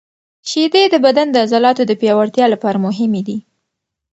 شیدې د بدن د عضلاتو د پیاوړتیا لپاره مهمې دي.